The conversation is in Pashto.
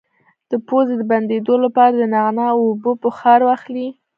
د پوزې د بندیدو لپاره د نعناع او اوبو بخار واخلئ